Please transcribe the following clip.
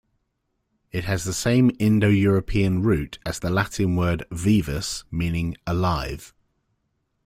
It has the same Indo-European root as the Latin word "vivus", meaning "alive".